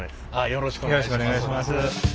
よろしくお願いします。